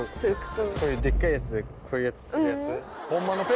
こういうデッカいやつでこういうやつするやつ？